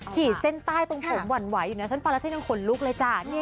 ขีดเส้นใต้ตรงผมวันวายอยู่นะฉันฟันแล้วเส้นขนลุกเลยจ้ะ